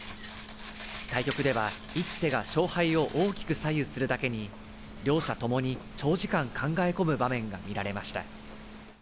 対局では一手が勝敗を大きく左右するだけに両者ともに長時間考え込む場面が見られました。